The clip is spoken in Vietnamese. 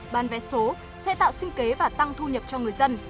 bán vé số sẽ tạo sinh kế và tăng thu nhập cho người dân